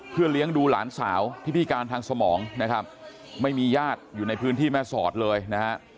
เพื่อเลี้ยงดูหลานสาวที่พิการทางสมองนะครับไม่มีญาติอยู่ในพื้นที่แม่สอดเลยนะฮะ